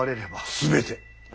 全て。